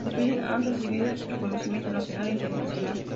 Sus films han recibido reconocimiento nacional e internacional.